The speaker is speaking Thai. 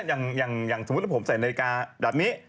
สมมติถ้าสมมติผมใส่นาฬิกาแบบนี้